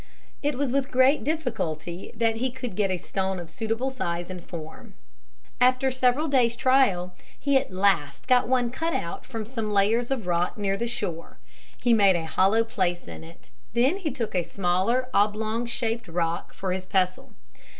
It was with great difficulty that he could get a stone of suitable size and form. After several days' trial he at last got one cut out from some layers of rock near the shore. He made a hollow place in it. Then he took a smaller oblong shaped rock for his pestle.